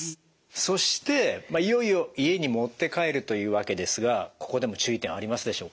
そしていよいよ家に持って帰るというわけですがここでも注意点はありますでしょうか？